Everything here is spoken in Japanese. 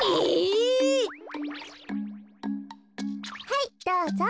はいどうぞ。